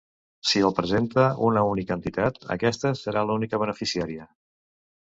Si el presenta una única entitat, aquesta serà l'única beneficiària.